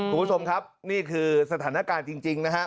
คุณผู้ชมครับนี่คือสถานการณ์จริงนะฮะ